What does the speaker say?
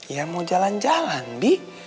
ya mau jalan jalan bi